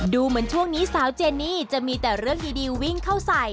ดูเหมือนช่วงนี้สาวเจนี่จะมีแต่เรื่องดีวิ่งเข้าใส่